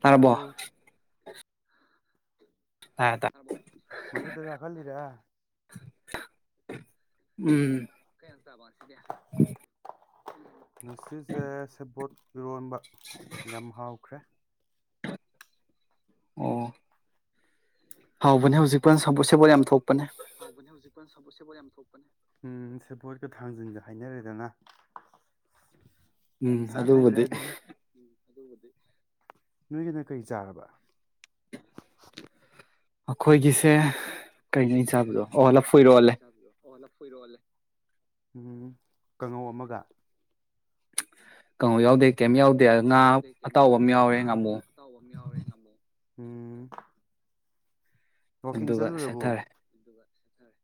ꯇꯔꯕꯣ ꯃꯁ ꯇꯒ ꯍꯥꯀꯜꯗꯔ ꯎꯝ ꯆꯕ ꯂꯅꯁꯤꯦ ꯎꯝ ꯎꯝ ꯁꯤꯖꯦ ꯁꯦꯕꯣꯠꯀꯤ ꯄꯔꯣꯟꯕ ꯌꯥꯝ ꯍꯥꯎꯈ꯭ꯔꯦ ꯑꯣ ꯍꯧꯕꯅꯦ ꯍꯧꯖꯤꯛꯄ ꯁꯝꯄꯣꯠ ꯁꯄꯣꯠ ꯌꯥꯝ ꯊꯣꯛꯄꯅꯦ ꯍꯧꯖꯤꯣꯠꯣ ꯌꯥꯝ ꯎꯝ ꯁꯦꯕꯣꯠꯀ ꯊꯥꯡꯖꯟꯒ ꯍꯥꯏꯅꯔꯦꯗꯅ ꯎꯝ ꯑꯗꯨꯕꯨꯗꯤ ꯅꯣꯏꯒꯅ ꯀꯔꯤ ꯆꯥꯔꯕ ꯑꯩꯈꯣꯏꯒꯤꯁꯦ ꯀꯩꯅꯣ ꯆꯥꯕꯗꯣ ꯑꯣꯜꯂꯞ ꯐꯨꯏꯔꯣꯜꯂꯦ ꯔ ꯎꯝ ꯀꯥꯡꯉꯧ ꯑꯃꯒ ꯀꯧ ꯌꯥꯎꯗ ꯀꯩꯝ ꯌꯥꯎꯗꯦ ꯉꯥ ꯑꯇꯥꯎꯕ ꯑꯃ ꯌꯥꯎꯔꯦ ꯉꯥꯃꯨ ꯎꯝ ꯑꯗꯨꯒ ꯁꯠꯊꯔꯦ ꯁꯗꯣꯏ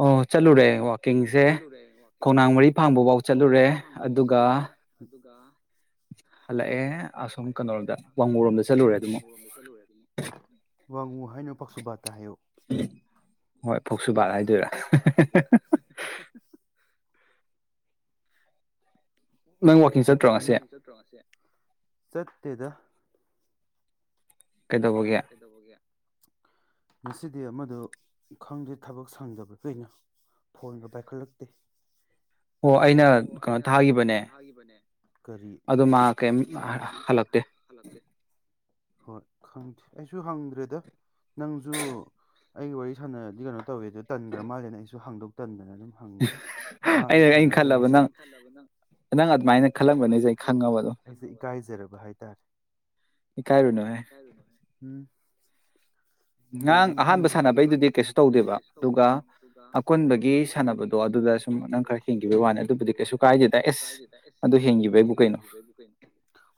ꯑꯣ ꯆꯂꯨꯔꯦ ꯑꯣ ꯆꯠꯂꯨꯔꯦ ꯋꯥꯛꯀꯤꯡꯁꯦ ꯈꯣꯡꯅꯥꯡ ꯃꯔꯤ ꯐꯥꯡꯕ ꯐꯥꯎ ꯆꯠꯂꯨꯔꯦ ꯑꯗꯨꯒ ꯑꯗꯨꯒ ꯋꯥꯡꯉꯨ ꯍꯥꯏꯅꯣ ꯄꯥꯛꯁꯨꯠꯇ ꯍꯥꯏꯌꯨ [inaudible] ꯆꯠꯇ꯭ꯔꯁꯦ ꯆꯠꯗ ꯀꯣꯏꯗꯧꯕꯒꯌꯥ ꯉꯁꯤꯗꯤ ꯑꯃꯗ ꯈꯪꯗꯦ ꯊꯕꯛ ꯁꯪꯗꯕ ꯀꯩꯅ ꯐꯣꯟꯒ ꯄꯥꯏꯈꯠꯂꯛꯇꯦ ꯑꯣ ꯑꯩꯅ ꯀꯩꯅꯣ ꯊꯥꯈꯤꯕꯅꯦ ꯑꯗꯨ ꯃꯥ ꯀꯔꯤꯝ ꯍꯜꯂꯛꯇꯦ ꯍꯣꯏ ꯈꯪꯗꯦ ꯑꯩꯁꯨ ꯍꯪꯗ꯭ꯔꯦꯗ ꯅꯪꯁꯨ ꯑꯩ ꯋꯥꯔꯤ ꯁꯥꯟꯅꯔꯗꯤ ꯀꯩꯅꯣ ꯇꯧꯋꯦꯗ ꯇꯟꯈ꯭ꯔ ꯃꯥꯜꯂꯦꯅ ꯑꯩꯁꯨ ꯍꯥꯡꯗꯧ ꯇꯟꯗꯅ ꯝ ꯍꯪꯗ꯭ꯔꯦ ꯃꯥꯁꯨ ꯁꯥꯟꯅꯗ꯭ꯔꯦ ꯑꯩꯁꯦ ꯏꯀꯥꯏꯖꯔꯕ ꯍꯥꯏꯇꯥꯔꯦ ꯀꯥꯏ ꯎꯝ ꯑꯗꯨꯝꯪ꯭ꯔ ꯑꯍꯥꯟꯕ ꯁꯥꯟꯅꯕꯩꯗꯨꯗꯤ ꯀꯩ ꯇꯧꯗꯦꯕ ꯑꯗꯨꯒ ꯑꯀꯟꯕꯒꯤ ꯁꯥꯟꯅꯕꯗꯣ ꯑꯗꯨꯗ ꯈꯔꯅꯤ ꯑꯗꯨꯕꯨꯩꯅꯣ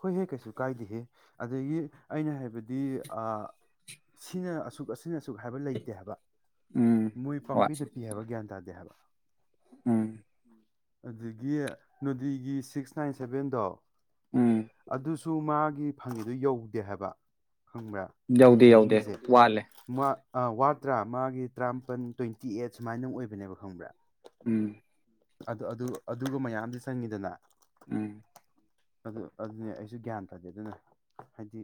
ꯍꯣꯏꯍꯦ ꯀꯩꯁꯨ ꯀꯥꯏꯗꯦꯍꯦ ꯑꯗꯒꯤ ꯑꯩꯅ ꯍꯥꯏꯕꯗꯤ ꯁꯤꯅ ꯑꯁꯨꯛ ꯑ ꯁꯤꯅ ꯑꯁꯨꯛ ꯍꯥꯏꯕ ꯂꯩꯇꯦ ꯍꯥꯏꯕ ꯃꯣꯏ ꯄꯥꯄꯤꯗ ꯄꯤ ꯍꯥꯏꯕ ꯒ꯭ꯌꯥꯟ ꯇꯥꯗꯦ ꯍꯥꯏꯕ ꯎꯝ ꯑꯗꯨꯗꯒꯤ ꯅꯨꯗꯤꯒꯤ ꯁꯤꯛꯁ ꯅꯥꯏꯟ ꯁꯚꯦꯟꯗꯣ ꯎꯝ ꯁꯨ ꯃꯥꯒꯤ ꯐꯪꯉꯤꯗꯨ ꯌꯧꯗꯦ ꯍꯥꯏꯕ ꯈꯪꯕ꯭ꯔꯥ ꯑꯩꯅ ꯍꯥꯏꯅꯤꯡꯉꯤꯁꯦ ꯃꯥ ꯑ ꯋꯥꯠꯇ꯭ꯔꯥ ꯃꯥꯒꯤ ꯇꯔꯥꯃꯥꯄꯟ ꯇ꯭ꯋꯦꯟꯇꯤ ꯑꯩꯠ ꯁꯨꯃꯥꯏꯅꯪ ꯑꯣꯏꯕꯅꯦꯕ ꯈꯪꯕ꯭ꯔꯥ ꯎꯝ ꯑꯗꯨ ꯑꯗꯨꯒ ꯃꯌꯥꯝꯗꯤ ꯆꯪꯉꯤꯗꯅ ꯎꯝ ꯑꯗꯨ ꯑꯗꯨꯅꯦ ꯑꯩꯁꯨ ꯒ꯭ꯌꯥꯟ ꯇꯥꯗꯦ ꯑꯗꯨꯅ ꯍꯥꯏꯗꯤ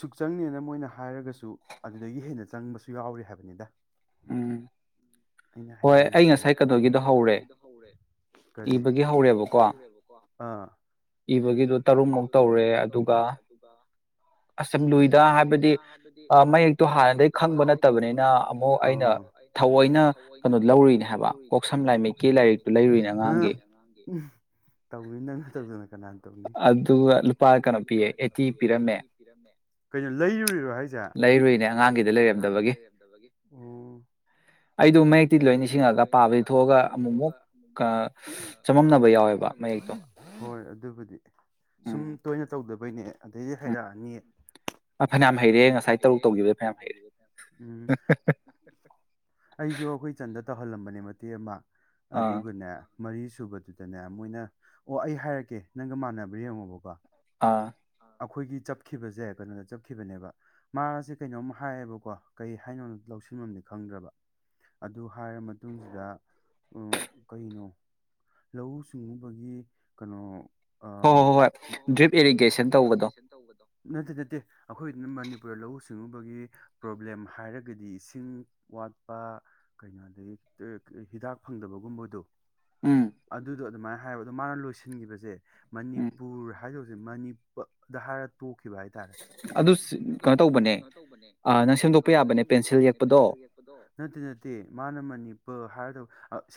ꯁꯨꯛꯆꯪꯅꯦꯅ ꯃꯣꯏꯅ ꯍꯥꯏꯔꯒꯁꯨ ꯑꯗꯨꯗꯒꯤ ꯍꯦꯟꯅ ꯆꯪꯕꯁꯨ ꯌꯥꯎꯔꯤ ꯍꯥꯏꯕꯅꯤꯗ ꯑꯩꯅ ꯍꯥꯏꯅꯤꯡꯉꯤꯁꯤꯅ ꯉ ꯀꯗꯒꯤꯗꯣ ꯍꯧꯔꯦ ꯀꯔꯤ ꯏꯕꯒꯤ ꯍꯧꯔꯦꯕꯀꯣ ꯑꯥ ꯏꯕꯒꯤꯗꯣ ꯇꯔꯨꯛꯃꯨꯛ ꯇꯧꯔꯦ ꯑꯗꯨꯒ ꯑꯁꯝꯂꯨꯏꯗ ꯍꯥꯏꯕꯗꯤ ꯃꯌꯦꯛꯇꯣ ꯍꯥꯟꯅꯗꯒꯤꯩ ꯈꯪꯕ ꯅꯠꯇꯕꯅꯤꯅ ꯑꯃꯨꯛ ꯑꯩꯅ ꯊꯑꯣꯏꯅ ꯀꯩꯅꯣ ꯂꯧꯔꯤꯅꯦ ꯍꯥꯏꯕ ꯀꯣꯛꯁꯝ ꯂꯥꯏꯃꯤ ꯁꯝꯃꯤꯀꯤ ꯂꯥꯏꯔꯤꯛꯇꯥꯡ ꯎ ꯇꯧꯅꯤꯅ ꯅꯪꯅ ꯇꯧꯗꯅ ꯀꯅꯥ ꯇ ꯑꯗꯨꯗ ꯂꯨꯄꯥ ꯀꯩꯅꯣ ꯄꯤ ꯄꯤꯔꯝꯃꯦ ꯀꯩꯅꯣ ꯂꯩꯔꯨꯔꯣ ꯂꯩꯔꯨꯏꯅꯦ ꯑꯉꯥꯡꯒꯤꯗ ꯂꯩꯔꯝꯗꯕꯒꯤ ꯑꯩꯗꯣ ꯃꯌꯦꯛꯇꯤ ꯂꯣꯏ ꯅꯤꯡꯁꯤꯡꯉꯒ ꯍꯣꯏ ꯑꯗꯨꯕꯨꯗꯤ ꯁꯨꯝ ꯇꯣꯏꯅ ꯇꯧꯗꯕ ꯕꯈꯅꯦ ꯑꯗꯨꯑꯣꯏꯗꯤ ꯍꯥꯏꯔꯛꯑꯅꯤ ꯎ ꯑꯩꯁꯨ ꯑꯩꯈꯣꯏ ꯆꯟꯗ ꯇꯧꯍꯜꯂꯝꯕꯅꯦ ꯃꯇꯦ ꯑꯃ ꯑꯗꯨꯒꯅꯦ ꯃꯔꯤ ꯁꯨꯕꯗꯨꯗꯅꯦ ꯃꯣꯏꯅ ꯑꯣ ꯑꯩ ꯍꯥꯏꯔꯛꯀꯦ ꯅꯪꯒ ꯃꯥꯟꯅꯕ ꯌꯦꯡꯉꯣꯕꯀꯣ ꯑꯩꯈꯣꯏꯒꯤ ꯆꯞꯈꯤꯕꯁꯦ ꯀꯩꯅꯣꯗ ꯆꯠꯈꯤꯕꯅꯦꯕ ꯃꯥꯁꯦ ꯀꯩꯅꯣꯝ ꯍꯥꯏꯌꯦꯕꯀꯣ ꯀꯩ ꯍꯥꯏꯅꯣꯅ ꯂꯧꯁꯤꯟꯃꯝꯅꯤ ꯈꯪꯗ꯭ꯔꯕ ꯑꯗꯨ ꯍꯥꯏꯔ ꯃꯇꯨꯡꯁꯤꯗ ꯀꯩꯅꯣ ꯂꯧꯎ ꯁꯤꯡꯎꯕꯒꯤ ꯀꯩꯅꯣ ꯍꯣꯏ ꯍꯣꯏ ꯍꯣꯏ ꯍꯣꯏ ꯗ꯭ꯔꯤꯞ ꯑꯦꯔꯤꯒ ꯗ꯭ꯔꯤꯞ ꯏꯔꯤꯒꯦꯁꯟ ꯇꯧꯕꯗꯣ ꯅꯠꯇꯦ ꯅꯠꯇꯦ ꯑꯩꯈꯣꯏꯅ ꯃꯅꯤꯄꯨꯔꯗ ꯂꯧꯎ ꯁꯤꯡꯎꯕꯒꯤ ꯄ꯭ꯔꯣꯕ꯭ꯂꯦꯝ ꯍꯥꯏꯔꯒꯗꯤ ꯏꯁꯤꯡ ꯋꯥꯠꯄ ꯀꯩꯅꯣ ꯑꯗꯒꯤ ꯍꯤꯗꯥꯛ ꯐꯪꯗꯕꯒꯨꯝꯕꯗꯣ ꯑꯗꯨꯗ ꯑꯗꯨꯃꯥꯏꯅ ꯍꯥꯏꯌ ꯑꯗꯣ ꯃꯥꯅ ꯂꯣꯏꯁꯤꯟꯈꯤꯕꯁꯦ ꯃꯅꯤꯄꯨꯔ ꯍꯥꯏ ꯃꯅꯤ ꯙꯍꯥꯔꯠꯇꯨ ꯊꯣꯛꯈꯤꯕ ꯍꯥꯏꯇꯥꯔꯦ ꯑꯗꯨ ꯀꯩꯅꯣ ꯇꯧꯕꯅꯦ ꯅꯪ ꯁꯦꯝꯗꯣꯛꯄ ꯌꯥꯕꯅꯦ ꯄꯦꯟꯁꯤꯜ ꯌꯦꯛꯄꯗꯣ ꯅꯠꯇꯦ ꯅꯠꯇꯦ ꯃꯥꯅ ꯃꯅꯤꯄ ꯑꯗ ꯍꯥꯏꯔꯗ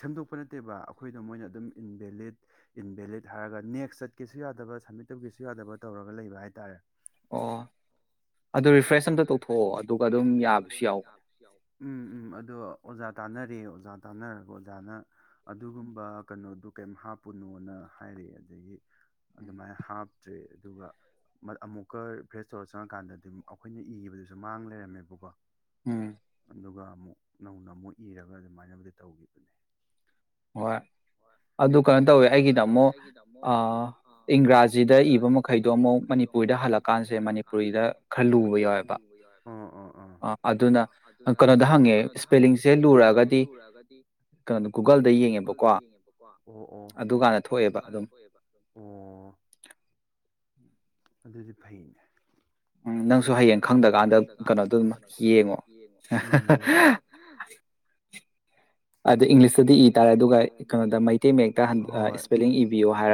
ꯁꯦꯝꯗꯣꯛꯄ ꯅꯠꯇꯦꯕ ꯑꯩꯈꯣꯏꯗꯣ ꯃꯣꯏꯅ ꯑꯗꯨꯝ ꯏꯟꯚꯦꯂꯤꯠ ꯏꯟꯚꯦꯂꯤꯠ ꯍꯥꯏꯔꯒ ꯅꯦꯛꯁ ꯆꯠꯀꯦꯁꯨ ꯌꯥꯗꯕ ꯁꯝꯃꯤꯠ ꯇꯧꯒꯦꯁꯨ ꯌꯥꯗꯕ ꯇꯧꯔꯒ ꯂꯩꯕ ꯍꯥꯏꯇꯥꯔꯦ ꯑꯣ ꯑꯗꯨꯒ ꯎꯝ ꯎꯝ ꯑꯣ ꯑꯣꯖꯥ ꯇꯥꯟꯅꯔꯦ ꯑꯣꯖꯥ ꯇꯥꯟꯅꯔꯒ ꯑꯣꯖꯥꯅ ꯑꯗꯨꯒꯨꯝꯕ ꯀꯩꯅꯣꯗꯨ ꯀꯩꯝ ꯍꯥꯞꯄꯨꯅꯣꯅ ꯍꯥꯏꯔꯛꯑꯦ ꯑꯗꯒꯤ ꯑꯗꯨꯃꯥꯏꯅ ꯍꯥꯞꯇ꯭ꯔꯦ ꯑꯗꯨꯒ ꯑꯃꯨꯛꯀ ꯚ꯭ꯔꯦꯁ ꯏꯁꯇꯣ ꯆꯪꯉꯀꯥꯟꯗꯗꯤ ꯑꯩꯈꯣꯏꯅ ꯏꯕꯗꯨꯁꯨ ꯃꯥꯡ ꯂꯩꯔꯝꯃꯦꯕꯀꯣ ꯑꯗꯨꯒ ꯑꯃꯨꯛ ꯅꯧꯅ ꯑꯃꯨꯛ ꯏꯔꯒ ꯑꯗꯨꯃꯥꯏꯅꯕꯨꯗꯤ ꯇꯧꯈꯤꯕꯅꯦ ꯍꯣꯏ ꯑꯗꯨ ꯀꯩꯅꯣ ꯇꯧꯋꯦ ꯑꯩꯒꯤꯗ ꯑꯃꯨꯛ ꯏꯪꯒ꯭ꯔꯥꯖꯤꯗ ꯏꯕ ꯃꯈꯩꯗꯣ ꯑꯃꯨꯛ ꯃꯅꯤꯄꯨꯔꯗ ꯍꯜꯂꯛꯀꯥꯟꯁꯦ ꯃꯅꯤꯄꯨꯔꯤꯗ ꯈꯔ ꯂꯨꯕ ꯌꯥꯎꯋꯦꯕ ꯑꯥ ꯑꯗꯨꯅ ꯀꯩꯅꯣꯗ ꯍꯪꯉꯦ ꯁ꯭ꯄꯦꯂꯤꯡꯁꯦ ꯂꯨꯔꯛꯑꯒꯗꯤ ꯀꯩꯅ ꯒꯨꯒꯜꯗ ꯌꯦꯡꯉꯦꯕꯀꯣ ꯑꯣ ꯑꯣ ꯑꯗꯨꯀꯥꯟꯗ ꯊꯣꯛꯑꯦꯕ ꯑꯗꯨꯝ ꯑꯣ ꯑꯗꯨꯗꯤ ꯐꯩꯅꯦ ꯅꯪꯁꯨ ꯍꯌꯦꯡ ꯈꯪꯗꯀꯥꯟꯗ ꯀꯩꯅꯣ ꯑꯗꯨꯝ ꯌꯦꯡꯉꯣ ꯇ ꯇꯥꯔꯦ ꯑꯗꯨꯒꯩꯇꯩꯣꯏ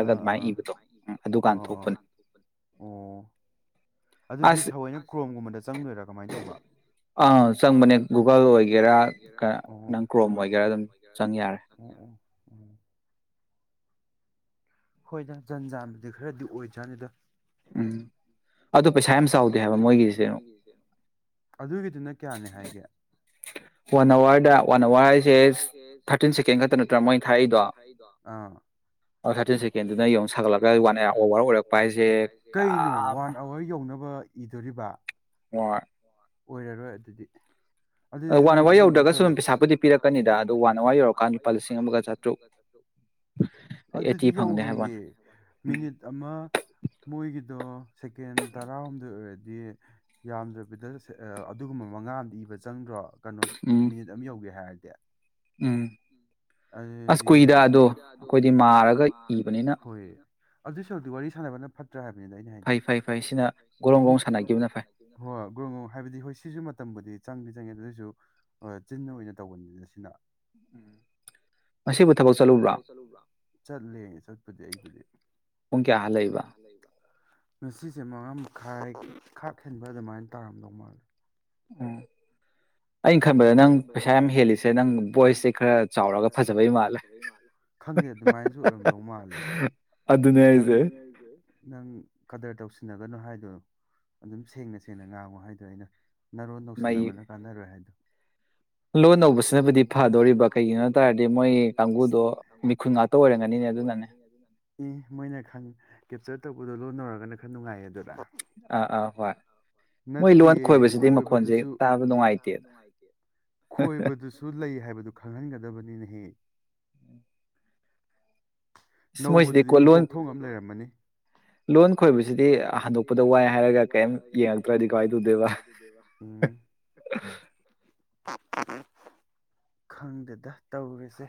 ꯑꯣ ꯑꯗꯨꯗꯤ ꯊꯑꯣꯏꯅ ꯀ꯭ꯔꯣꯝꯒꯨꯝꯕꯗ ꯆꯪꯗꯣꯏꯔꯥ ꯀꯃꯥꯏꯅ ꯇꯧꯕ ꯑ ꯆꯪꯕꯅꯦꯜ ꯑꯣꯏꯒꯦꯔ ꯑꯣ [inaudible] ꯍꯣꯏꯗ ꯖꯟ ꯖꯥꯟꯕꯨꯗꯤ ꯈꯔꯗꯤ ꯑꯣꯏꯖꯥꯠꯅꯤꯗ ꯎꯝ ꯑꯗꯨ ꯄꯩꯁꯥ ꯌꯥꯝ ꯆꯥꯎꯗꯦ ꯍꯥꯏꯕꯣꯏꯒꯤꯅ ꯀ ꯍꯥꯏꯒꯦꯋꯥꯋꯥ ꯍꯥꯏꯁꯦ ꯊꯥꯔꯇ ꯈ ꯅꯠꯇ꯭ꯔ ꯊꯥꯏꯗꯣꯥꯔꯠꯂꯔ ꯀꯅꯣ ꯋꯥꯥꯟ ꯑꯋꯥꯏ ꯌꯧꯅꯕ ꯏꯗꯣꯔꯤꯕ ꯍꯣꯏ ꯑꯣꯏꯔꯔꯣꯏ ꯑꯗꯨꯗꯤ ꯑꯗꯨꯗꯤ ꯌꯧꯔꯣꯏꯌꯦ ꯃꯤꯅꯤꯠ ꯑꯃꯣꯏꯒꯤ ꯗꯣ ꯁꯀꯦꯟ ꯇꯔꯥꯍꯨꯝꯗꯣꯏ ꯑꯣꯏꯔꯗꯤ ꯌꯥꯝꯗ꯭ꯔꯕꯤꯗ ꯑꯗꯨꯒꯨꯝꯕ ꯃꯉꯥꯗ ꯏꯕ ꯆꯪꯗ꯭ꯔꯣ ꯀꯩꯅꯣ ꯃꯤꯅꯤꯠ ꯑꯃ ꯌꯧꯒꯦ ꯍꯥꯏꯔꯁꯦ ꯗ ꯎꯝ ꯑꯗꯨꯗꯤ ꯀꯨꯏꯗꯥ ꯑꯗꯣ ꯑꯩꯈꯣꯏꯗꯤ ꯃꯥꯔꯒ ꯍꯣꯏ ꯑꯗꯨꯁꯨ ꯑꯗꯨ ꯋꯥꯔꯤ ꯁꯥꯟꯅꯕꯅ ꯐꯠꯇ ꯭ꯔ ꯍꯥꯏꯕꯅꯤꯅ ꯑꯩꯅ ꯍꯥꯏꯗꯤ ꯍꯣꯏ ꯒ꯭ꯔ ꯍꯥꯏꯕꯗꯤ ꯍꯣꯏ ꯁꯤꯁꯨ ꯃꯇꯝꯕꯨꯗꯤ ꯆꯪ ꯆꯪꯉꯦ ꯑꯗꯨꯑꯣꯏꯁꯨ ꯆꯤꯟꯅ ꯑꯣꯏꯅ ꯇꯧꯕꯅꯤꯅ ꯁꯤꯅ ꯎꯝ ꯠ ꯆꯠꯂꯦ ꯆꯠꯄꯗꯤ ꯑꯩꯕꯨꯗꯤ ꯄꯨꯡ ꯀꯌꯥ ꯍꯜꯂꯛꯏꯕ ꯉꯁꯤꯁꯦ ꯃꯉꯥ ꯃꯈꯥꯏ ꯈꯥꯛ ꯍꯦꯟꯕ ꯑꯗꯨꯃꯥꯏꯅ ꯇꯥꯔꯝꯗꯧ ꯃꯥꯜꯂꯦ ꯑ ꯩꯅ ꯈꯕ ꯅ ꯄꯩꯁꯥ ꯌꯥꯝ ꯍꯜꯂꯤꯁꯦ ꯐꯖꯕ ꯈꯪꯗꯦ ꯑꯗꯨꯃꯥꯏꯅꯁꯨ ꯑꯣꯏꯔꯝꯒꯗꯧ ꯃꯥꯜꯂꯦ ꯈꯤꯇꯪ ꯅ ꯀꯗꯔ ꯇꯁꯤ ꯁꯤꯟꯅꯒꯅꯨ ꯍꯥꯏꯗ ꯑꯗꯨꯝ ꯁꯦꯡꯅ ꯁꯦꯡꯅ ꯉꯥꯡꯉꯨ ꯍꯥꯏꯗ ꯑꯩꯅ ꯅꯔꯣꯟ ꯅꯧꯁꯤꯟꯅꯕꯅ ꯀꯥꯟꯅꯔꯣꯏ ꯍꯥꯏꯗꯣ ꯂꯣꯟ ꯂꯧꯕꯁꯤꯅꯕꯨꯗꯤ ꯐꯥꯗꯣꯔꯤꯕ ꯀꯩꯒꯤꯅꯣ ꯍꯥꯏ ꯇꯔꯗꯤ ꯃꯣꯏ ꯀꯥꯡꯕꯨꯗꯣ ꯃꯤꯈꯨꯟ ꯉꯥꯛꯇ ꯑꯣꯏꯔꯝꯒꯅꯤ ꯑꯗꯨꯅꯅꯦꯣꯏ ꯎꯗꯣ ꯂꯣꯟꯅꯔꯒꯅ ꯈꯔ ꯅꯨꯡꯉꯥꯏꯌꯦ ꯑꯗꯨꯗ ꯑꯥ ꯑꯥ ꯍꯣꯏ ꯃꯣꯏ ꯂꯣꯟ ꯈꯣꯏꯕꯁꯤꯗꯤ ꯃꯈꯣꯟꯁꯦ ꯇꯥꯕ ꯅꯨꯡꯉꯥꯏꯇꯦꯗ ꯈꯣꯏꯕꯗꯨꯁꯨ ꯂꯩ ꯍꯥꯏꯕꯗꯨ ꯈꯪꯍꯟꯒꯦ ꯀꯗꯕꯅꯤꯅꯍꯦ ꯅꯧꯕꯗꯨꯗꯤ ꯃꯤ ꯀꯣꯛꯊꯣꯡ ꯑꯃ ꯂꯩꯔꯝꯃꯅꯤ ꯂꯣꯟ ꯈꯣꯏꯕꯁꯤꯗꯤ ꯍꯟꯗꯣꯛꯄꯗ ꯋꯥꯏ ꯍꯥꯏꯔꯒ ꯀꯩꯝ ꯌꯦꯡꯉꯛꯇ꯭ꯔꯗꯤ ꯀꯏ ꯇꯗꯦꯕ ꯈꯪꯗꯗ ꯇꯧꯔꯁꯦ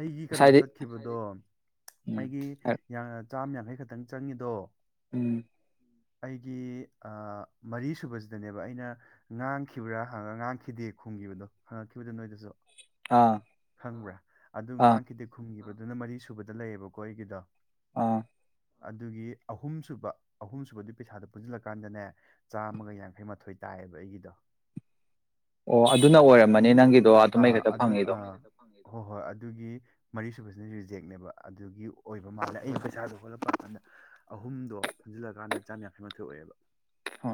ꯑꯩꯒꯤ ꯀꯩꯅꯣ ꯆꯠꯈꯤꯕꯗꯣ ꯑꯩꯒꯤ ꯆꯥꯝ ꯌꯥꯡꯈꯩ ꯈꯛꯇꯪ ꯆꯪꯉꯗꯣ ꯎꯝ ꯑꯩꯒꯤ ꯃꯔꯤ ꯁꯨꯕꯁꯤꯗꯅꯦꯕ ꯑꯩꯅ ꯉꯥꯡꯈꯤꯕ꯭ꯔꯥꯪꯉ ꯉꯥꯡꯈꯤꯗꯦ ꯈꯨꯝꯈꯤꯕꯗꯣ ꯍꯪꯉꯛꯈꯤꯕꯗ ꯅꯣꯏꯗꯁꯨ ꯈꯪꯕ꯭ꯔꯥ ꯑꯗꯨ ꯉꯥꯏꯍꯥꯛ ꯈꯤꯗꯤ ꯈꯨꯝꯈꯤꯕꯗ ꯑꯗꯨꯅ ꯃꯔꯤꯁꯨꯕꯗ ꯂꯩꯌꯦꯕꯀꯣ ꯑꯩꯒꯤꯗꯣ ꯑꯥ ꯑꯗꯨꯒꯤ ꯑꯍꯨꯝꯁꯨꯕ ꯑꯍꯨꯝꯁꯨꯨꯕꯗꯨ ꯄꯩꯁꯥꯗ ꯄꯨꯟꯁꯤꯜꯂꯀꯥꯟꯗꯅꯦ ꯆꯥꯝꯃꯒ ꯌꯥꯡꯈꯩ ꯃꯥꯊꯣꯏ ꯇꯥꯏꯌꯦꯕ ꯑꯩꯒꯤꯗꯣ ꯑꯣ ꯑꯗꯨꯅ ꯑꯣꯏꯔꯝꯃꯅꯤ ꯅꯪꯒꯤꯗꯣ ꯑꯗꯨꯃ ꯑꯩ ꯈꯛꯇ ꯐꯪꯉꯤꯗꯣ ꯍꯣꯏ ꯍꯣꯏ ꯑꯗꯨꯒꯤ ꯃꯔꯤꯁꯨꯨꯕꯁꯤꯅ ꯔꯤꯖꯦꯛꯅꯦꯕ ꯑꯗꯨꯒꯤ ꯑꯣꯏꯕ ꯃꯥꯜꯂꯦ ꯑꯩ ꯄꯩꯁꯥꯗꯣ ꯍꯣꯜꯂꯛꯄ ꯀꯥꯟꯗ ꯑꯍꯨꯝꯗꯣ ꯄꯨꯟꯁꯤꯜꯂꯀꯥꯟꯗ ꯆꯥꯝ ꯌꯥꯡꯈꯩ ꯃꯥꯊꯣꯏ ꯑꯣꯏꯑꯦꯕ ꯍ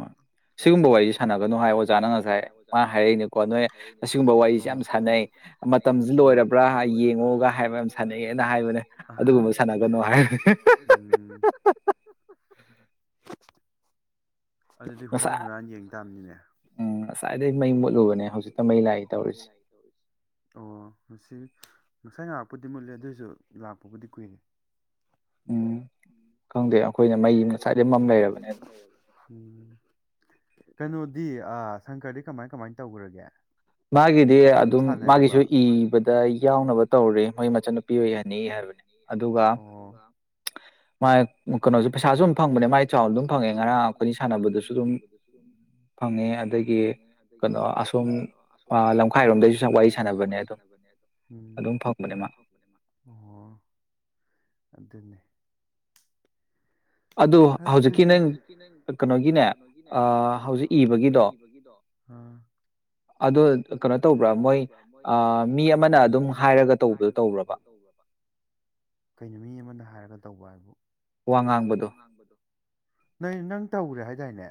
ꯁꯤꯒꯨꯝꯕ ꯋꯥꯔꯤꯁꯦ ꯁꯥꯟꯅꯒꯅꯨ ꯍꯥꯏ ꯑꯣꯖꯥꯅ ꯉꯁꯥꯏ ꯃꯥ ꯍꯥꯏꯔꯛꯏꯅꯤꯀꯣ ꯅꯣꯏ ꯑꯁꯤꯒꯨꯝꯕ ꯋꯥꯔꯤꯁꯦ ꯌꯥꯝ ꯁꯥꯟꯅꯩ ꯃꯇꯝ ꯁꯤꯗ ꯑꯣꯏꯔꯕ꯭ꯔꯥ ꯌꯦꯡꯉꯣꯒ ꯍꯥꯏꯕ ꯌꯥꯝ ꯁꯥꯟꯅꯩꯑꯦꯅ ꯍꯥꯏꯕꯅꯦ ꯑꯗꯨꯒꯨꯝꯕ ꯁꯥꯟꯅꯒꯅꯨ ꯍꯥꯏꯕ ꯑꯗꯨꯗꯤ ꯍꯨꯔꯥꯟ ꯍꯨꯔꯥꯟ ꯌꯦꯡ ꯇꯥꯕꯅꯤꯅꯦ ꯂꯖꯤ ꯑꯣ ꯃꯁꯤ ꯉꯁꯥꯏ ꯉꯥꯛꯔꯥꯛꯄꯨꯗꯤ ꯃꯨꯠꯂꯦ ꯑꯗꯨꯑꯣꯏꯁꯨ ꯂꯥꯛꯄꯕꯨꯗꯤ ꯀꯨꯏꯔꯦ ꯎꯝ ꯈꯪꯗꯦ ꯑꯩꯈꯣꯏꯅ ꯃꯩ ꯆꯁꯦꯪꯉꯩꯌꯦꯕ ꯀꯩꯅꯣꯗꯤ ꯑ ꯁꯪꯀꯔꯗꯤ ꯀꯃꯥꯏꯅ ꯀꯃꯥꯏꯅ ꯇꯧꯈ꯭ꯔꯒꯦ ꯃꯥꯒꯤꯗꯤ ꯑꯗꯨꯝ ꯃꯥꯒꯤꯁꯨ ꯏꯕꯗ ꯌꯥꯎꯅꯕ ꯇꯧꯔꯤꯦ ꯃꯣꯏ ꯃꯆꯟꯅꯨꯄꯤ ꯑꯣꯏꯍꯅꯤ ꯍꯥꯏꯕꯅꯦ ꯑꯗꯨꯒ ꯃꯥ ꯀꯩꯅꯣꯁꯨ ꯄꯩꯁꯥꯁꯨ ꯑꯗꯨꯝ ꯐꯪꯕꯅꯦ ꯃꯥꯒꯤ ꯆꯥꯎꯅ ꯑꯗꯨꯝ ꯐꯪꯉꯦ ꯉꯔꯥꯡ ꯑꯩꯈꯣꯏꯅꯤ ꯁꯥꯟꯅꯕꯗꯁꯨ ꯑꯗꯨꯝ ꯐꯪꯉꯦ ꯑꯗꯒꯤ ꯀꯩꯅꯣ ꯑꯁꯨꯝ ꯁꯨꯝ ꯂꯝꯈꯥꯏꯔꯣꯝꯗꯩꯁꯨ ꯁ ꯋꯥꯔꯤ ꯁꯥꯟꯅꯕꯅꯦ ꯑꯗꯨꯝ ꯎꯝ ꯑꯗꯨꯝ ꯐꯪꯕꯅꯦ ꯃꯥ꯫ ꯑꯣ ꯑꯗꯨꯅꯤ ꯍꯧꯖꯤꯛꯀꯤ ꯅꯪ ꯀꯩꯅꯣꯒꯤꯅꯦ ꯍꯧꯖꯤꯛ ꯏꯕꯒꯤꯗꯣ ꯑꯗꯣ ꯀꯩꯅꯣ ꯇꯧꯕ꯭ꯔꯥ ꯃꯣꯏ ꯃꯤ ꯑꯃꯅ ꯑꯗꯨꯝ ꯍꯥꯏꯔꯒ ꯇꯧꯕꯗꯣ ꯇꯧꯕ꯭ꯔꯕ ꯀꯩꯅꯣ ꯃꯤ ꯑꯃꯅ ꯍꯥꯏꯔꯒ ꯇꯧꯕ ꯍꯥꯏꯕ ꯋꯥ ꯉꯥꯡꯕꯗꯣ ꯅꯣꯏ ꯅꯪ ꯇꯧꯈ꯭ꯔꯦ ꯍꯥꯏꯗꯥꯏꯅꯦ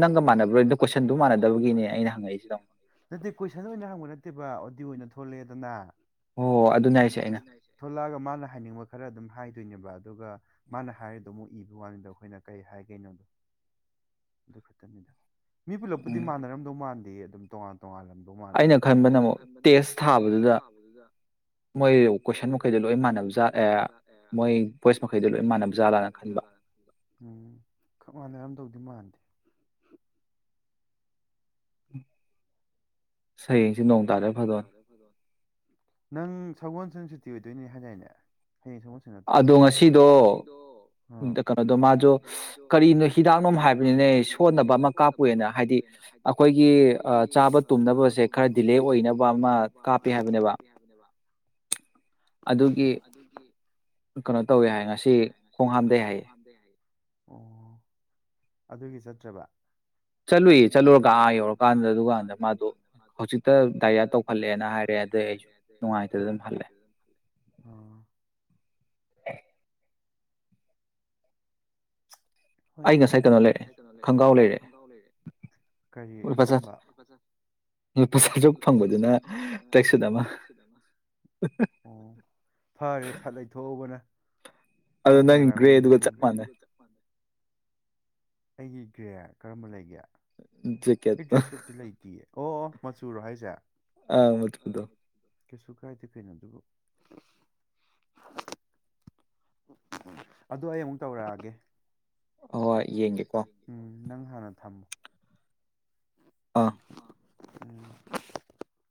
ꯇꯧꯔꯦ ꯑꯗꯣ ꯅꯪꯒ ꯃꯥꯅꯕꯔꯅ ꯀꯣꯏꯁꯟꯗꯣ ꯃꯥꯅꯗꯕꯒꯤ ꯑꯩꯅ ꯍꯪꯉꯤꯁꯦ ꯅꯠꯇꯦ ꯀꯣꯏꯁꯟ ꯑꯣꯏꯅ ꯍꯪꯕ ꯅꯠꯇꯦꯕ ꯑꯣꯗꯤꯑꯣ ꯊꯣꯛꯂꯦꯗꯅ ꯑꯣ ꯑꯗꯨ ꯊꯣꯛꯂꯛꯑꯒ ꯃꯥꯅ ꯍꯥꯏꯅꯤꯡꯕ ꯈꯔ ꯑꯗꯨꯝ ꯍꯥꯏ ꯑꯣꯏꯗꯣꯏꯅꯦꯕ ꯑꯗꯨꯒ ꯃꯥꯅ ꯍꯥꯏꯔꯤꯗꯣ ꯑꯃꯨꯛ ꯏꯕ ꯋꯥꯅꯤꯗ ꯑꯩꯈꯣꯏꯅ ꯀꯩ ꯍꯥꯏꯒꯦꯅꯣꯗꯣ ꯑꯗꯨ ꯈꯛꯇꯅꯤꯗ ꯃꯤ ꯄꯨꯜꯂꯞꯄꯗꯤ ꯃꯥꯟꯅꯔꯝꯗꯧ ꯃꯥꯟꯗꯤꯌꯦ ꯇ ꯇꯣꯉꯥꯟ ꯇꯣꯉꯥꯜꯂꯝꯗꯧ ꯃꯥꯜꯂꯤ ꯑꯩꯅ ꯈꯟꯕꯅ ꯑꯃ ꯇꯦꯁ ꯊꯥꯕꯗꯨꯗ ꯃꯣꯏ ꯀꯣꯏꯁꯟ ꯃꯈꯩꯗ ꯂꯣꯏꯃꯥꯟꯅꯕꯥꯠ ꯃꯣꯏ ꯕꯣꯏꯁ ꯃꯈꯩꯗꯤ ꯂꯣꯏ ꯏꯃꯥꯟꯅꯕ ꯖꯥꯠꯂꯥꯅ ꯈꯟꯕ ꯎ ꯈꯛ ꯃꯥꯟꯅꯔꯝꯗꯧꯗꯤ ꯃꯥꯟꯗꯦ ꯎꯝ ꯍꯌꯦꯡ ꯁꯦ ꯅꯣꯡ ꯇꯥꯗꯔꯔꯤ ꯐꯗꯣꯏꯅꯦ ꯅꯪ ꯁꯒꯣꯜ ꯁꯦꯟ ꯁꯨꯇꯤ ꯑꯣꯏꯗꯣꯏꯅꯦ ꯍꯥꯏꯖꯏꯅꯦ ꯍꯌꯦꯡ ꯁꯒꯣꯜꯁꯦꯜ ꯅꯠꯇ꯭ꯔ ꯑꯗꯣ ꯉꯁꯤꯗꯣ ꯀꯩꯅꯣꯗꯣ ꯃꯥꯁꯨ ꯀꯔꯤꯅꯣ ꯍꯤꯗꯥꯛꯅꯣꯝ ꯍꯥꯏꯕꯅꯤꯅꯦ ꯁꯣꯟꯅꯕ ꯑꯃ ꯀꯥꯞꯄꯨꯏꯅ ꯍꯥꯏꯗꯤ ꯑꯩꯈꯣꯏꯒꯤ ꯆꯥꯕ ꯪꯅꯕꯁꯦ ꯈꯔ ꯗꯤꯂꯦ ꯑꯣꯏꯅꯕ ꯑꯃ ꯀꯥꯞꯄꯦ ꯍꯥꯏꯕꯅꯦꯕ ꯑꯗꯨꯒꯤ ꯀꯩꯅꯣ ꯇꯧꯋꯦ ꯍꯥꯏ ꯉꯁꯤ ꯈꯣꯡ ꯍꯥꯝꯗꯦ ꯍꯥꯏ ꯑꯗꯨꯒꯤ ꯆꯠꯇ꯭ꯔꯕ ꯆꯠꯂꯨꯏꯌꯦ ꯆꯠꯂꯨꯔꯒ ꯑꯥ ꯌꯧꯔꯀꯥꯟꯗ ꯑꯗꯨꯀꯥꯟꯗ ꯃꯥꯗꯣ ꯍꯧꯖꯤꯛꯇ ꯗꯥꯏꯔꯤꯌꯥ ꯇꯧꯈꯜꯂꯦꯅ ꯍꯥꯏꯔꯦ ꯑꯗꯨ ꯑꯩ ꯅꯨꯡꯇꯥꯗꯅ ꯑꯗꯨ ꯍꯜꯂꯛ ꯑꯦ ꯍꯣꯏꯗ ꯑꯩ ꯉꯥꯁꯥꯏ ꯀꯩꯅꯣ ꯂꯩꯔꯛꯑꯦ ꯈꯪꯒꯥꯎ ꯂꯩꯔꯛꯑꯦ ꯀꯔꯤ ꯀꯔꯝꯕ ꯂꯨꯄꯥ ꯆꯥꯇꯨꯔꯛ ꯐꯪꯕꯥꯗꯨꯅ ꯇꯔꯦꯛ ꯁꯨꯠ ꯑꯃ ꯑꯣ ꯐꯔꯦ ꯐꯠ ꯂꯩꯊꯣꯛ ꯍꯧꯕꯅ ꯅꯪ ꯍꯥꯏꯌꯦ ꯃꯥꯕꯣꯁꯤꯡ [unintelligible] ꯑꯩꯒꯤ ꯒ꯭ꯔꯦ ꯀꯔꯝꯕ ꯂꯩꯒꯦ ꯑꯩ ꯇꯔ꯭ꯦꯛꯁꯨꯠꯇꯤ ꯂꯩꯇꯦ ꯑꯣ ꯃꯆꯨꯔꯣ ꯍꯥꯏꯁꯦ ꯑꯥ ꯃꯗꯨꯗꯣ ꯀꯩꯁꯨ ꯀꯥꯏꯗꯦ ꯀꯩꯅꯣ ꯑꯗꯨꯕꯨ ꯑꯗꯨ ꯑꯩ ꯑꯃꯨꯛ ꯇꯧꯔꯛꯑꯒꯦ ꯍꯣꯏ ꯌꯦꯡꯒꯦꯀꯣ ꯅꯪ ꯍꯥꯟꯅ ꯊꯝꯃꯨ ꯑꯥ ꯎꯝ